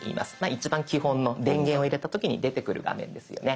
一番基本の電源を入れた時に出てくる画面ですよね。